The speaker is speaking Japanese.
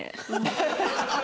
ハハハハ！